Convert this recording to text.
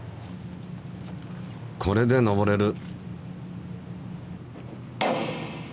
これで登れる。